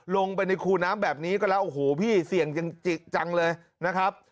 ลงไปในคูน้ำแบบนี้ก็แล้วโอ้โหพี่เสี่ยงจังเลยนะครับ